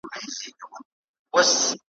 زما په عقیده د شعر پیغام ,